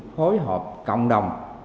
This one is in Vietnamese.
phối hợp cộng đồng